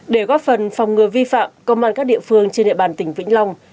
để góp phần phòng ngừa vi phạm công an các địa phương trên địa bàn tỉnh vĩnh long